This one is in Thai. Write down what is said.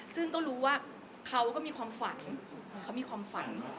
ซึ่งต้องรู้ว่าเขาก็มีความฝันเขามีความฝัน